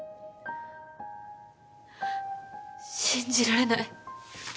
信じられない。